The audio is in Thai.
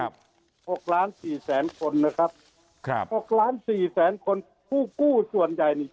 หกล้านสี่แสนคนนะครับครับหกล้านสี่แสนคนผู้กู้ส่วนใหญ่นี่